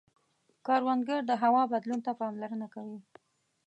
کروندګر د هوا بدلون ته پاملرنه کوي